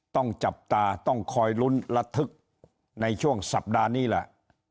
ต้องจับตาต้องคอยลุ้นระทึกในช่วงสัปดาห์นี้แหละ